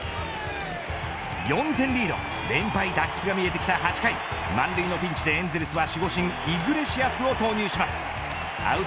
４点リード、連敗脱出が見えてきた８回満塁でエンゼルスは守護神イグレシアスを投入します。